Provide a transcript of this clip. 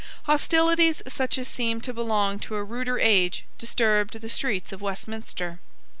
Hostilities such as seemed to belong to a ruder age disturbed the streets of Westminster.